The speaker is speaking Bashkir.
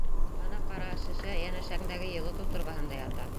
Ана, ҡара, шешә йәнәшәңдәге йылытыу торбаһында ята.